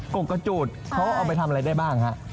กกกระจูดเขาเอาไปทำอะไรได้บ้างฮะ